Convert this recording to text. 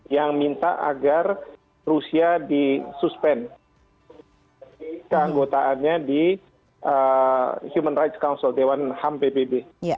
yang minta agar rusia di suspend keanggotaannya di human rights council dewan ham pbb